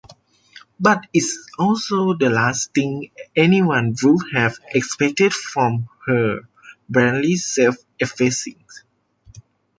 But it's also the last thing anyone would have expected from her: blandly self-effacing.